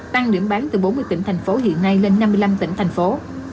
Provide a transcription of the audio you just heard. tăng điểm bán từ bốn mươi tỉnh thành phố hiện nay lên năm mươi năm tỉnh thành phố